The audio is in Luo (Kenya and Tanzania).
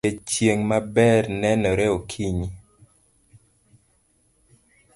Odiochieng' maber nenore okinyi.